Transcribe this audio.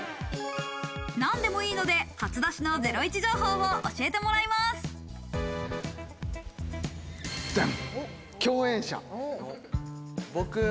なんでもいいので初出しのゼロイチ情報を教えてもらいます。じゃん！